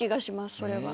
それは。